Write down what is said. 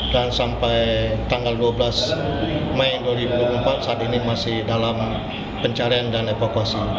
dan sampai tanggal dua belas mei dua ribu empat saat ini masih dalam pencarian dan evakuasi